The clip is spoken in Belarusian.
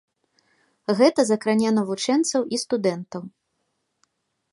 Гэта закране навучэнцаў і студэнтаў.